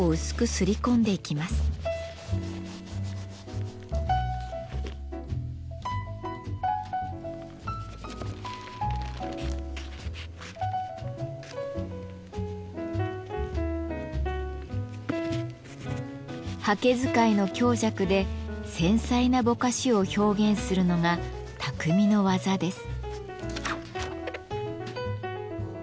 刷毛使いの強弱で繊細なぼかしを表現するのが匠の技です。